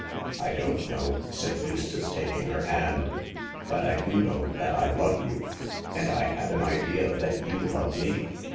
I don't know," said Eustace, taking her hand ;but I do know that I love you, and I have an idea that you love me.